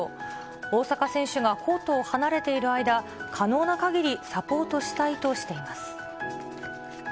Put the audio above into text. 大坂選手がコートを離れている間、可能なかぎりサポートしたいとしています。